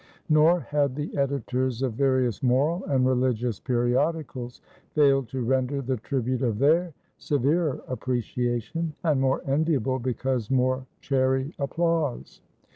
Nor had the editors of various moral and religious periodicals failed to render the tribute of their severer appreciation, and more enviable, because more chary applause.